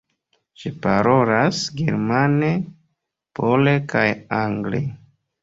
Ŝi parolas germane, pole kaj angle.